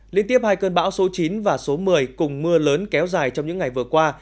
liên tiếp hai cơn bão số chín và số một mươi cùng mưa lớn kéo dài trong những ngày vừa qua